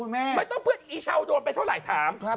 ไม่ต้องเพื่อนอีชาวโดนไปเท่าไหร่ถาม